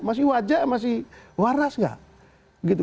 masih wajah masih waras nggak